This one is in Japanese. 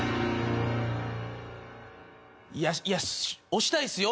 いやいや押したいですよ。